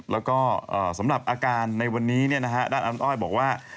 แล้วก็สำหรับอาการในวันนี้ด้านอามอ้อยบอกว่า